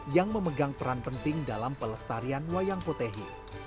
yang memegang peran penting dalam pelestarian wayang potehi